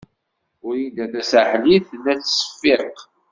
Wrida Tasaḥlit tella tettseffiq.